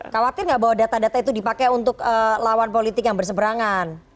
khawatir nggak bahwa data data itu dipakai untuk lawan politik yang berseberangan